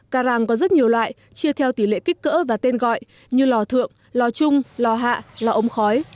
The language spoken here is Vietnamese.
carang có rất nhiều loại chia theo tỷ lệ kích cỡ và tên gọi như lò thượng lò trung lò hạ lò ống khói